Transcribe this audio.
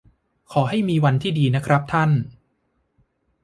ขอให้มีวันที่ดีนะครับท่าน